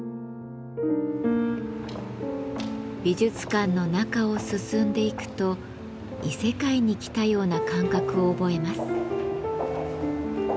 美術館の中を進んでいくと異世界に来たような感覚を覚えます。